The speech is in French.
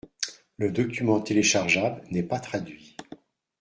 Le document téléchargeable n’est pas traduit.